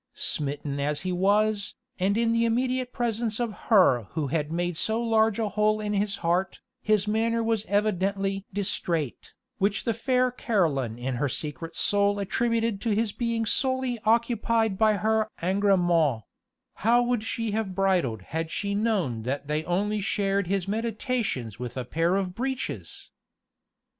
Smitten as he was, and in the immediate presence of her who had made so large a hole in his heart, his manner was evidently distrait, which the fair Caroline in her secret soul attributed to his being solely occupied by her agrèmens: how would she have bridled had she known that they only shared his meditations with a pair of breeches!